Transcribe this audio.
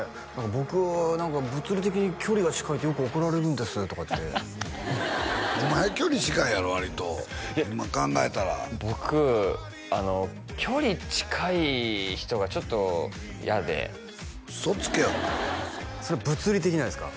僕何か物理的に距離が近いってよく怒られるんですとか言ってお前距離近いやろ割と考えたら僕距離近い人がちょっと嫌で嘘つけ物理的なですか？